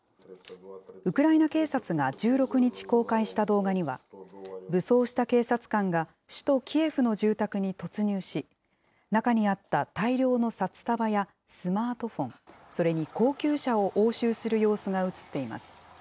ウクライナ警察が１６日公開した動画には、武装した警察官が首都キエフの住宅に突入し、中にあった大量の札束やスマートフォン、それに高級車を押収する様子が写っています。